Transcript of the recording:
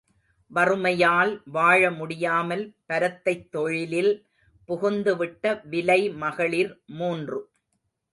வறுமையால் வாழ முடியாமல் பரத்தைத் தொழிலில் புகுந்துவிட்ட விலைமகளிர் மூன்று.